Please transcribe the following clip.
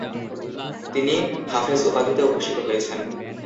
তিনি হাফেজ'' উপাধিতেও ভূষিত হয়েছেন।